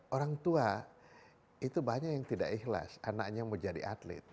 orang tua itu banyak yang tidak ikhlas anaknya mau jadi atlet